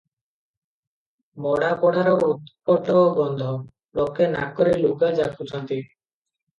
ମଡ଼ା ପୋଡ଼ାର ଉତ୍କଟ ଗନ୍ଧ, ଲୋକେ ନାକରେ ଲୁଗା ଯାକୁଛନ୍ତି ।